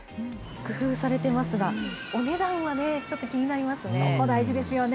工夫されてますが、お値段はね、ちょっと気になりますね。